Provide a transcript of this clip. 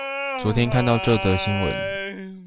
昨天看到這則新聞